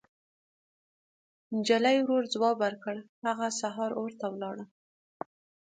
نجلۍ ورو ځواب ورکړ: هغه سهار اور ته ولاړه.